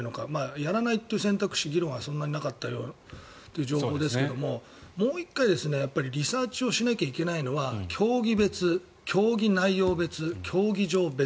やらないという選択肢、議論はそんなになかったという情報ですがもう１回、リサーチをしなければいけないのは競技別、競技内容別競技場別。